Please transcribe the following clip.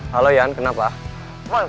halo ian kenapa